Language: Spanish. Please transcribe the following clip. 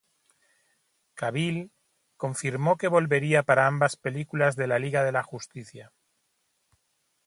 Cavill confirmó que volvería para ambas películas de la Liga de la Justicia.